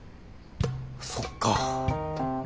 そっか。